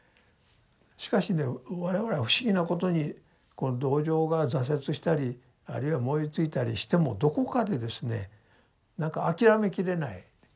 しかしね我々は不思議なことにこの同情が挫折したりあるいは燃えついたりしてもどこかでですねなんか諦めきれない。